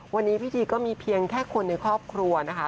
วันนี้พิธีก็มีเพียงแค่คนในครอบครัวนะคะ